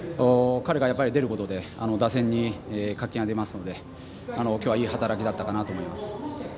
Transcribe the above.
彼が出ることで打線に活気が出ますのできょうはいい働きだったかなと思います。